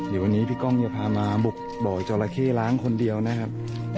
เดี๋ยววันนี้พี่ก้องจะพามาบุกบ่อจราเข้ล้างคนเดียวนะครับ